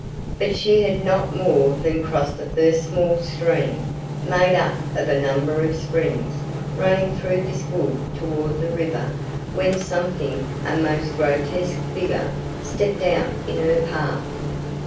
But she had not more than crossed the first small stream, made up of a number of springs, running through this wood toward the river, when something a most grotesque figure stepped out in her path!